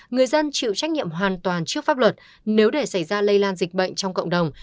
người dân chịu trách nhiệm hoàn toàn trước pháp luật nếu để xảy ra lây lan dịch bệnh trong cộng đồng